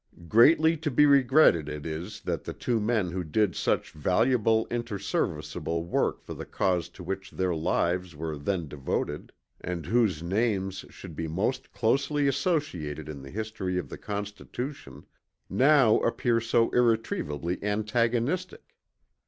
Greatly to be regretted it is that the two men who did such valuable interserviceable work for the cause to which their lives were then devoted, and whose names should be most closely associated in the history of the Constitution, now appear so irretrievably antagonistic.